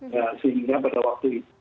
ya sehingga pada waktu itu